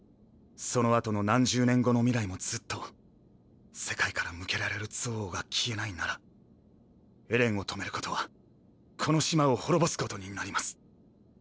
その後の何十年後の未来もずっと世界から向けられる憎悪が消えないならエレンを止めることはこの島を滅ぼすことになります。